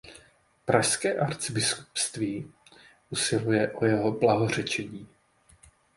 Pražské arcibiskupství usiluje o jeho blahořečení.